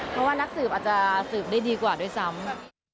เพราะว่านักสืบอาจจะสืบได้ดีกว่าด้วยซ้ำ